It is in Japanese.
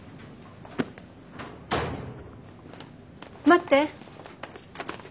待って。